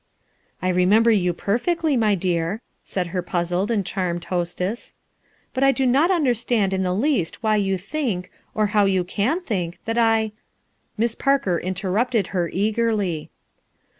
"I remember you perfectly, my clear/' said her puzzled and charmed hostess. "But I do not understand in the least why you think, or how you can think, that I —" Miss Parker interrupted her eagerly.